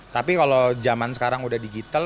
tapi kalau zaman sekarang udah digital